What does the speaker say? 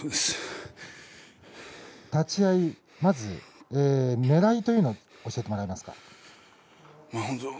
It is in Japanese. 立ち合いねらいというのを教えてもらえますか。